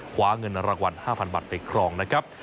คว้าเงินรางวัล๕๐๐บาทไปครองนะครับ